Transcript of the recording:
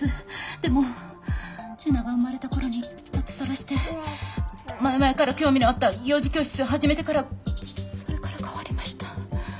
でも樹奈が生まれた頃に脱サラして前々から興味のあった幼児教室を始めてからそれから変わりました。